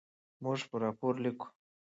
موږ به راپور لیکو.